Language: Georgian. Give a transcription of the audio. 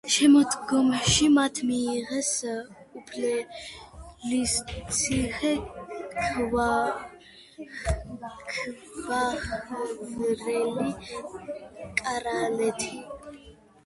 შემდგომში მათ მიიღეს უფლისციხე, ქვახვრელი, კარალეთი.